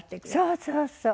そうそうそう。